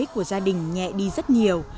của gia đình nhẹ đi rất nhiều